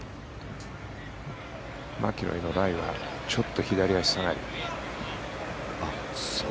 マキロイのライがちょっと左足下がり。